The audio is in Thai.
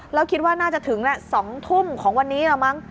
แล้วคิดว่าน่าจะถึงแหละ๒ทุ่มของวันนี้แล้วมั้ง